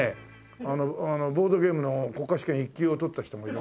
あのボードゲームの国家試験１級を取った人がいる。